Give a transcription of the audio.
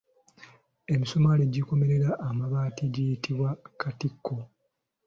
Emisumaali egikomerera amabaati giyitibwa katiko.